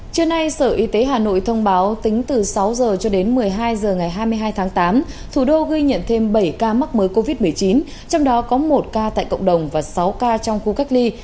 trưa nay sở y tế hà nội thông báo tính từ sáu h cho đến một mươi hai h ngày hai mươi hai tháng tám thủ đô ghi nhận thêm bảy ca mắc mới covid một mươi chín trong đó có một ca tại cộng đồng và sáu ca trong khu cách ly